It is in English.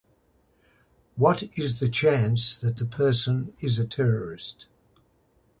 What is the chance that the person is a terrorist?